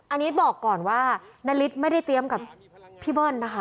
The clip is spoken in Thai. อันนี้บอกก่อนว่านาริสไม่ได้เตรียมกับพี่เบิ้ลนะคะ